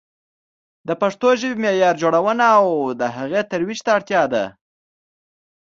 د پښتو ژبې معیار جوړونه او د هغې ترویج ته اړتیا ده.